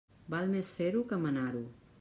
Val més fer-ho que manar-ho.